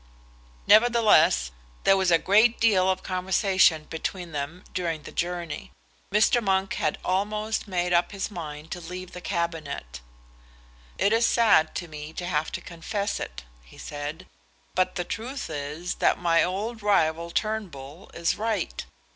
Nevertheless, there was a great deal of conversation between them during the journey. Mr. Monk had almost made up his mind to leave the Cabinet. "It is sad to me to have to confess it," he said, "but the truth is that my old rival, Turnbull, is right.